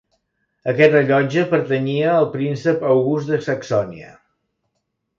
Aquest rellotge pertanyia al Príncep August de Saxònia.